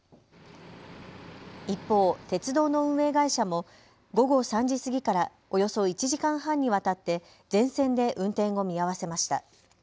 一方、鉄道の運営会社も午後３時過ぎからおよそ１時間半にわたって全線で運転を見合わせました。